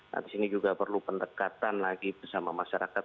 nah di sini juga perlu pendekatan lagi bersama masyarakat